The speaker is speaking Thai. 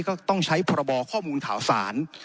ก็ต้องใช้พรบข้อมูลข่าวสาร